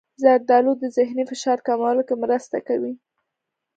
زردالو د ذهني فشار کمولو کې مرسته کوي.